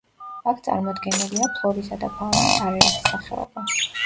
აქ წარმოდგენილია ფლორისა და ფაუნის არაერთი სახეობა.